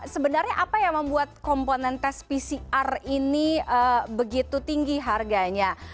sebenarnya apa yang membuat komponen tes pcr ini begitu tinggi harganya